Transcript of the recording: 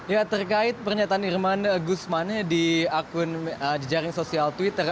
ya terkait pernyataan irman gusman di akun jejaring sosial twitter